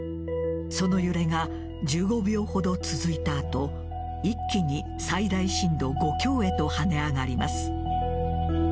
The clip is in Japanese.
その揺れが１５秒ほど続いたあと一気に最大震度５強へと跳ね上がります。